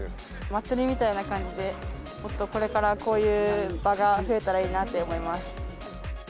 祭りみたいな感じで、もっとこれからこういう場が増えたらいいなと思います。